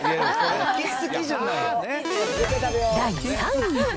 第３位。